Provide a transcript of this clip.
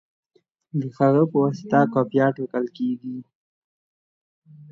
د هغه په واسطه قافیه ټاکل کیږي.